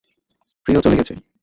প্রিয় চলে গেছে।